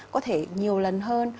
có thể nhiều lần hơn